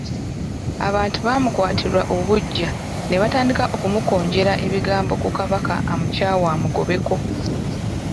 Abantu baamukwatirwa obuggya, ne batandika okumukonjeranga ebigambo ku Kabaka amukyawe amugobeko.